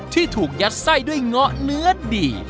ที่ถูกยัดไส้ด้วยเงาะเนื้อดี